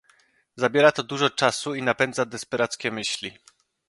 "Zabiera to dużo czasu i napędza desperackie myśli..."